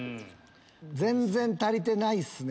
全然足りてないっすね